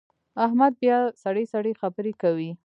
احمد بیا سړې سړې خبرې کوي.